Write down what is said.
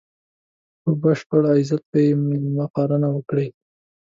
په بشپړ عزت به یې مېلمه پالنه وکړي.